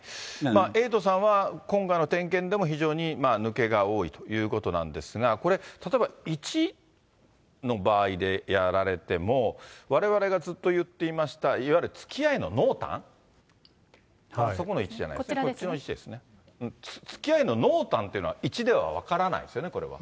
エイトさんは、今回の点検でも非常に抜けが多いということなんですが、これ、例えば１の場合でやられても、われわれがずっと言っていました、いわゆるつきあいの濃淡、そこの１じゃないですね、こっちの１ですね、つきあいの濃淡っていうのは１では分からないですよね、これは。